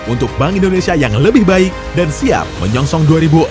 untuk bank indonesia yang lebih baik dan siap menyongsong dua ribu empat puluh